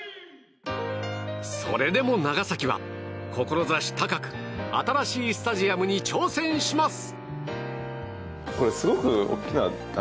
それでも、長崎は志高く新しいスタジアムに挑戦します。